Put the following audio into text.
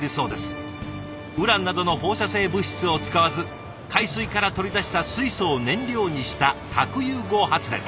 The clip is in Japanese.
ウランなどの放射性物質を使わず海水から取り出した水素を燃料にした核融合発電。